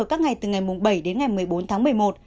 các ngày từ ngày bảy đến ngày một mươi bốn tháng một mươi một